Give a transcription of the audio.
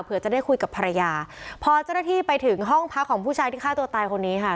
เพื่อจะได้คุยกับภรรยาพอเจ้าหน้าที่ไปถึงห้องพักของผู้ชายที่ฆ่าตัวตายคนนี้ค่ะ